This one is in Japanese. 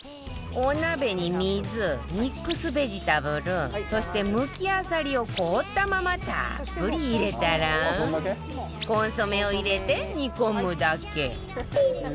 お鍋に水ミックスベジタブルそしてむきあさりを凍ったままたっぷり入れたらコンソメを入れて煮込むだけ